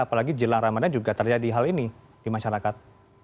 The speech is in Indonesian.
apalagi jelang ramadan juga terjadi hal ini di masyarakat